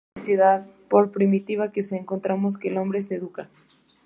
En toda sociedad por primitiva que sea, encontramos que el hombre se educa".